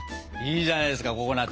いいじゃないですかココナツ！